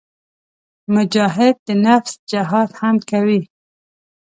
مجاهد د نفس جهاد هم کوي.